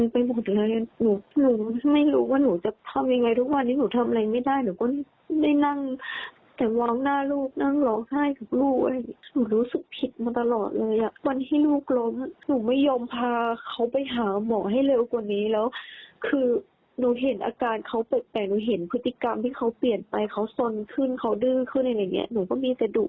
พฤติกรรมที่เขาเปลี่ยนไปเขาสนขึ้นเขาดื้อขึ้นอย่างนี้หนูก็มีแต่ดู